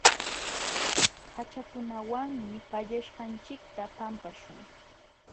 Haćhakunawanmi pallaśhqanchikta pampaśhun.